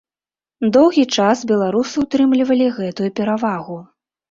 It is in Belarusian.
Доўгі час беларусы ўтрымлівалі гэтую перавагу.